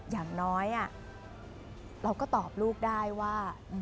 อย่างน้อยเราก็ตอบลูกได้ว่า